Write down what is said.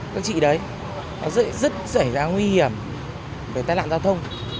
các chị đấy nó rất rảnh ra nguy hiểm về tai nạn giao thông